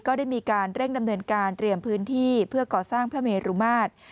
ก็ได้มีการเร่งดำเนินการเตรียมพื้นที่เพื่อก่อสร้างพระเมรุมาตร